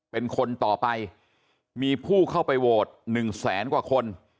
เป็นคนต่อไปมีผู้เข้าไปโหวต๑แสนกว่าคน